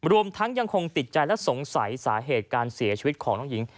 รวมทั้งยังคงติดใจและสงสัยสาเหตุการเสียชีวิตของน้องหญิง